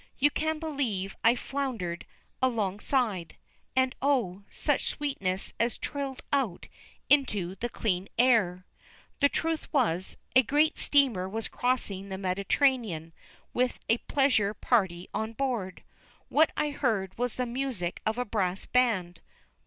You can believe I floundered alongside, and oh, such sweetness as trilled out into the clear air! The truth was, a great steamer was crossing the Mediterranean with a pleasure party on board. What I heard was the music of a brass band.